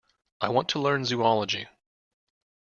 I want to learn Zoology.